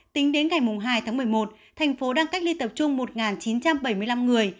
tính đến ngày hai tháng một mươi một thành phố đang cách ly tập trung một chín trăm bảy mươi năm người